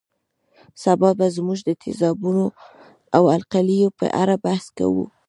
سبا به موږ د تیزابونو او القلي په اړه بحث کوو